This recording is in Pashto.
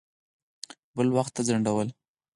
بل وخت ته ځنډول.